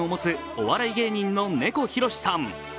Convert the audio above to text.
お笑い芸人の猫ひろしさん。